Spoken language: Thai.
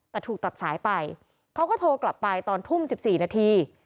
แต่ถูกตัดสายไปเขาก็โทรกลับไปตอนทุ่ม๑๔นาที